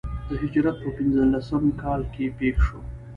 د هجرت په پنځه لسم کال کې پېښ شو.